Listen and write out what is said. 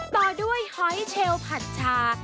ต่อด้วยหอยเชลผัดชา